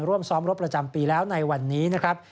ร่วมซ้อมรบประจำปีแล้วในวันนี้นะครับ